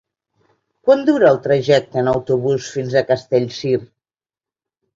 Quant dura el trajecte en autobús fins a Castellcir?